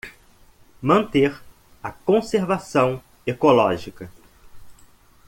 Manter a conservação ecológica